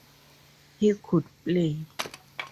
He could play.